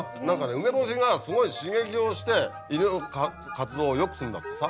梅干しがすごい刺激をして胃の活動をよくするんだってさ。